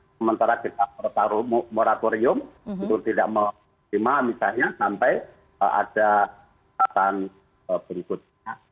sementara kita mencari moratorium untuk tidak menerima misalnya sampai ada keadaan berikutnya